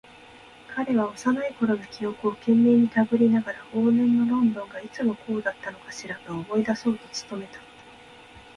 彼は幼いころの記憶を懸命にたぐりながら、往年のロンドンがいつもこうだったのかしらと思い出そうと努めた。